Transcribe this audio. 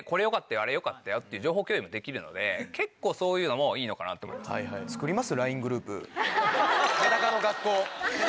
あれよかったよっていう情報共有もできるので結構そういうのもいいのかなと思います。